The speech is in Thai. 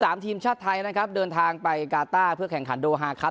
ทีมชาติไทยนะครับเดินทางไปกาต้าเพื่อแข่งขันโดฮาครับ